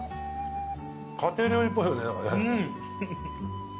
家庭料理っぽいよね何かね。